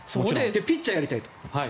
ピッチャーやりたいと。